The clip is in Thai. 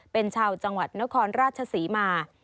เป็นชาวจังหวัดนครราชศรีมา